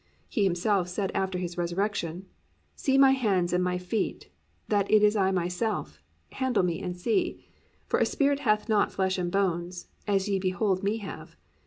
He himself said after His resurrection, +"See my hands and my feet, that it is I myself: handle me, and see; for a spirit hath not flesh and bones, as ye behold me have.